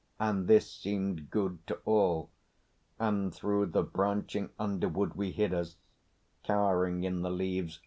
And this seemed good To all; and through the branching underwood We hid us, cowering in the leaves.